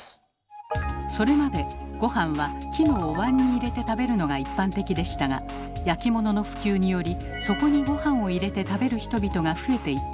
それまでごはんは木のおわんに入れて食べるのが一般的でしたが焼き物の普及によりそこにごはんを入れて食べる人々が増えていったのです。